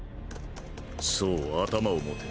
そう頭を持て。